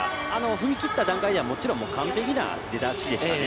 踏み切った段階ではもちろん完璧な出だしでしたね。